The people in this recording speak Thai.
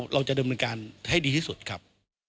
เราจะดำเนินการให้ดีที่สุดครับ